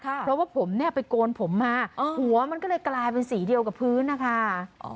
เพราะว่าผมเนี่ยไปโกนผมมาหัวมันก็เลยกลายเป็นสีเดียวกับพื้นนะคะ